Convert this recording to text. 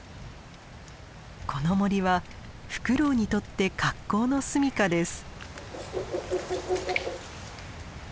この森はフクロウにとって格好の住みかです。